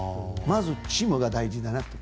まず、チームが大事だなと。